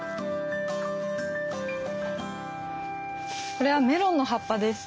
これはメロンの葉っぱです。